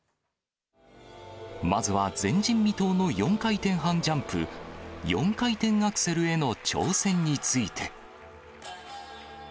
まずは前人未到の４回転半ジャンプ、４回転アクセルへの挑戦について。